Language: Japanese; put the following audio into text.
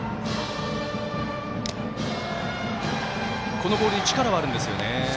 このボールに力はあるんですよね。